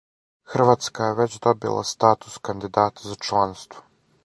Хрватска је већ добила статус кандидата за чланство.